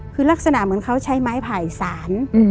คือลักษณะเหมือนเขาใช้ไม้ไผ่สาร